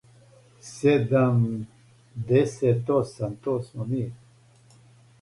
Седамдесетосам то смо ми